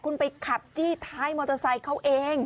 คุณไปขับจี้ท้ายมอเตอร์ไซค์เขาเอง